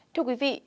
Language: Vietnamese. thưa quý vị